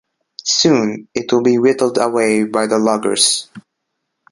Soon, it will be whittled away by the loggers.